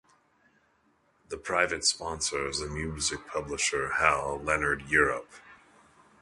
The private sponsor is the music publisher Hal Leonard Europe.